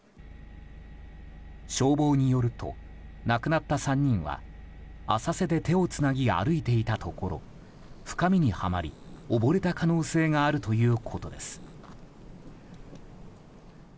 消防によると亡くなった３人は浅瀬で手をつなぎ歩いていたところ深みにはまり溺れた可能性があるということです。